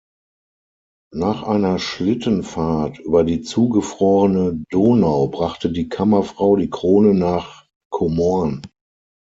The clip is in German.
Nach einer Schlittenfahrt über die zugefrorene Donau brachte die Kammerfrau die Krone nach Komorn.